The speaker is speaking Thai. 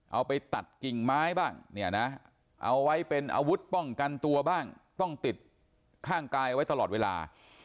เอาไปตัดกิ่งไม้บ้างเนี่ยนะเอาไว้เป็นอาวุธป้องกันตัวบ้างต้องติดข้างกายเอาไว้ตลอดเวลา